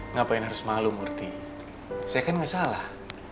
ngapain harus malu murti saya kan gak salah